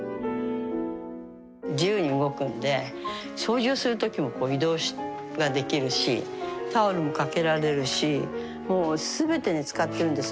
自由に動くんで掃除をする時も移動ができるしタオルもかけられるしもう全てに使ってるんです。